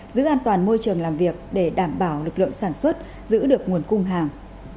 giữ an toàn môi trường làm việc để đảm bảo lực lượng sản xuất giữ được nguồn cung hàng